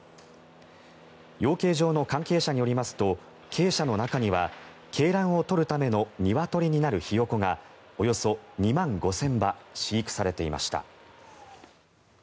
養鶏場の関係者によりますと鶏舎の中には鶏卵を取るためのニワトリになるヒヨコがおよそ２万５０００羽飼育されていました。